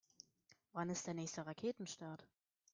Wann ist der nächste Raketenstart?